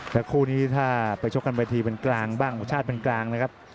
แล้วคู่นี้ถ้าไปชกกันเวทีเป็นกลางบ้างชาติเป็นกลางนะครับ